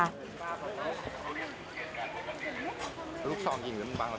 ลูกทรองกินอยู่หรือเปล่า